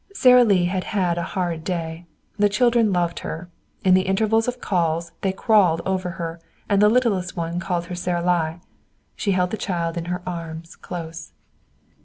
Sara Lee had had a hard day. The children loved her. In the intervals of calls they crawled over her, and the littlest one called her Saralie. She held the child in her arms close.